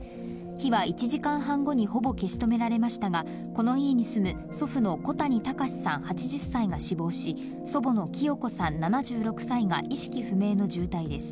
火は１時間半後にほぼ消し止められましたが、この家に住む祖父の小谷崇さん８０歳が死亡し、祖母の清子さん７６歳が意識不明の重体です。